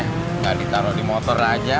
tidak ditaruh di motor aja